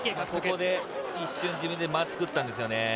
ここで一瞬、自分で間をつくったんですよね。